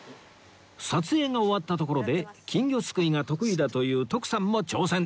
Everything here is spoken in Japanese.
撮影が終わったところで金魚すくいが得意だという徳さんも挑戦